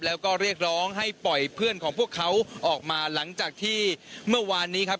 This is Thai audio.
แล้วก็เรียกร้องให้ปล่อยเพื่อนของพวกเขาออกมาหลังจากที่เมื่อวานนี้ครับ